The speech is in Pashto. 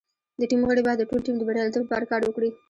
د ټیم غړي باید د ټول ټیم د بریالیتوب لپاره کار وکړي.